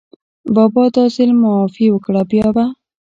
بابا دا ځل معافي وکړه، بیا به …